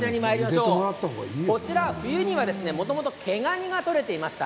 冬にはもともと毛ガニが取れていました。